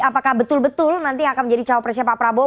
apakah betul betul nanti akan menjadi cawapresnya pak prabowo